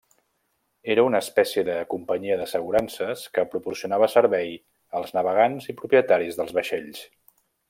Era una espècie de companyia d'assegurances que proporcionava servei als navegants i propietaris dels vaixells.